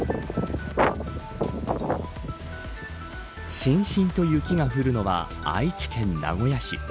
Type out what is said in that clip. しんしんと雪が降るのは愛知県名古屋市。